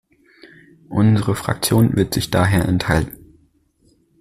Unsere Fraktion wird sich daher enthalten.